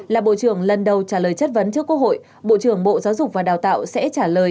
là bộ trưởng lần đầu trả lời chất vấn trước quốc hội bộ trưởng bộ giáo dục và đào tạo sẽ trả lời